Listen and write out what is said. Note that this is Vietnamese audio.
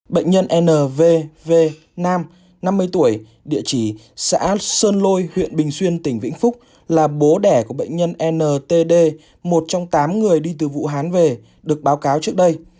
bệnh nhân n v v nam năm mươi tuổi địa chỉ xã sơn lôi huyện bình xuyên tỉnh vĩnh phúc là bố đẻ của bệnh nhân n t d một trong tám người đi từ vũ hán về được báo cáo trước đây